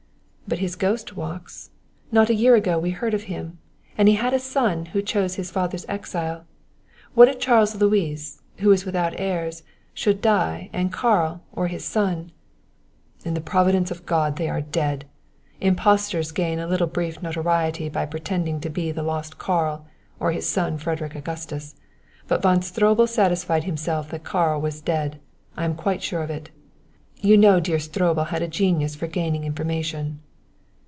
"But his ghost walks. Not a year ago we heard of him; and he had a son who chose his father's exile. What if Charles Louis, who is without heirs, should die and Karl or his son " "In the providence of God they are dead. Impostors gain a little brief notoriety by pretending to be the lost Karl or his son Frederick Augustus; but Von Stroebel satisfied himself that Karl was dead. I am quite sure of it. You know dear Stroebel had a genius for gaining information."